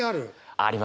あります。